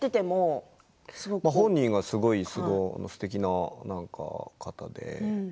本人がすごいすてきな方で。